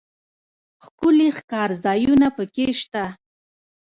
ښکلي ښکارځایونه پکښې شته.